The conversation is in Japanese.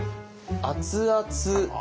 「熱々」